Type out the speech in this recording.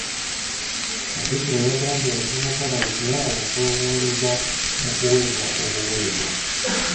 Katikkiro yagambye abavubuka balekere awo okulowooleza mu kuweebwa obuweebwa.